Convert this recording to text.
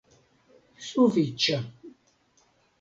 sufiĉa